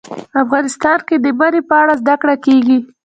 افغانستان کې د منی په اړه زده کړه کېږي.